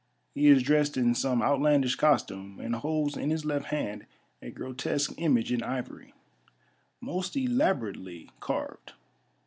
He is dressed in some out landish costume, and holds in his left hand a grotesque image in ivory, most elaborately carved.